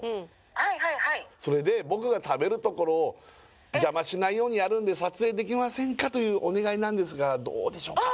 ☎はいはいはいそれで僕が食べるところを邪魔しないようにやるんで撮影できませんかというお願いなんですがどうでしょうか？